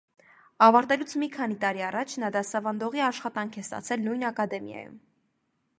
Ավարտելուց մի տարի առաջ նա դասավանդողի աշխատանք է ստացել նույն ակադեմիայում։